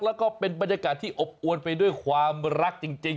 แล้วก็เป็นบรรยากาศที่อบอวนไปด้วยความรักจริง